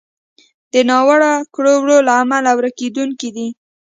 د ناوړو کړو وړو له امله ورکېدونکی دی.